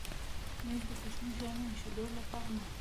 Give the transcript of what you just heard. مېز د کوچنیو شیانو ایښودلو لپاره مهم دی.